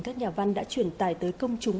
các nhà văn đã chuyển tài tới công chúng